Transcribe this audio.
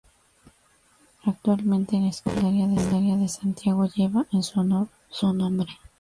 Actualmente la Escuela Secundaria de Santiago, lleva en su honor su nombre.